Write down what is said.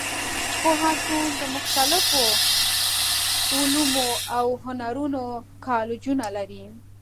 پوهنتون د مختلفو علومو او هنرونو کالجونه لري.